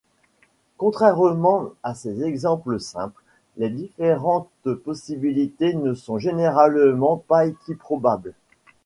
Contrairement à ces exemples simples, les différentes possibilités ne sont généralement pas équiprobables.